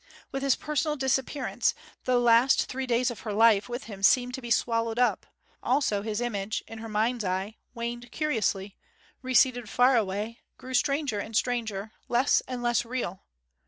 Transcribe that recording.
With his personal disappearance, the last three days of her life with him seemed to be swallowed up, also his image, in her mind's eye, waned curiously, receded far away, grew stranger and stranger, less and less real.